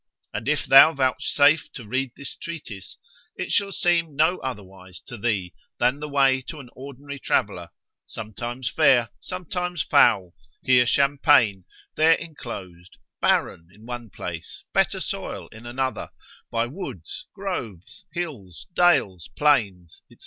And if thou vouchsafe to read this treatise, it shall seem no otherwise to thee, than the way to an ordinary traveller, sometimes fair, sometimes foul; here champaign, there enclosed; barren, in one place, better soil in another: by woods, groves, hills, dales, plains, &c.